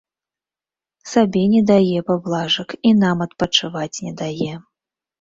Сабе не дае паблажак і нам адпачываць не дае.